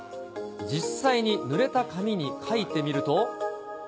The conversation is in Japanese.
実際にぬれた紙に書いてみると。